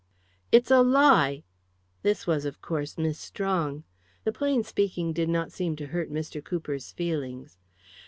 "It's a lie!" This was, of course, Miss Strong. The plain speaking did not seem to hurt Mr. Cooper's feelings.